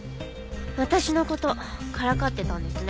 私の事からかってたんですね。